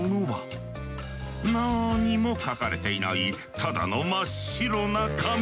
何も書かれていないただの真っ白な紙。